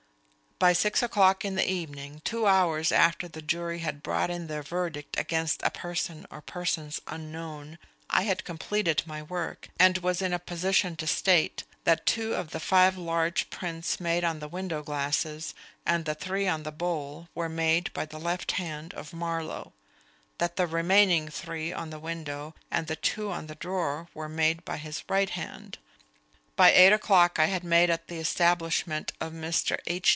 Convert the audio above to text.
By six o'clock in the evening, two hours after the jury had brought in their verdict against a person or persons unknown, I had completed my work, and was in a position to state that two of the five large prints made on the window glasses, and the three on the bowl, were made by the left hand of Marlowe; that the remaining three on the window and the two on the drawer were made by his right hand. By eight o'clock I had made at the establishment of Mr. H.